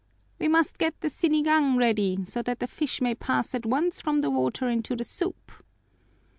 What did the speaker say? "We must get the sinigang ready so that the fish may pass at once from the water into the soup."